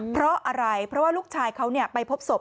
เพราะอะไรเพราะว่าลูกชายเขาไปพบศพ